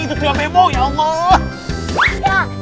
itu tuh yang memohon ya allah